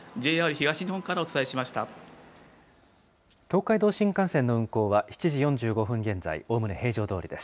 東海道新幹線の運行は、７時４５分現在、おおむね平常どおりです。